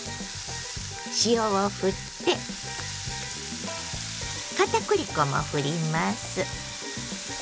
塩をふって片栗粉もふります。